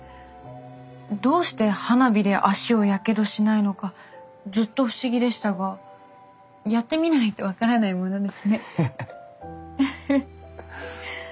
どうして花火で足をやけどしないのかずっと不思議でしたがやってみないと分からないものですね。